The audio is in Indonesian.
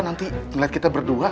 nanti ngelihat kita berdua